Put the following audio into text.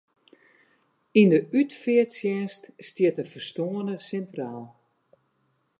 Yn de útfearttsjinst stiet de ferstoarne sintraal.